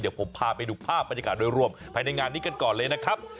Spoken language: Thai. เดี๋ยวผมพาไปดูภาพบรรยากาศโดยรวมภายในงานนี้กันก่อนเลยนะครับ